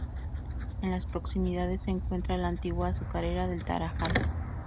En las proximidades se encuentra la Antigua Azucarera del Tarajal.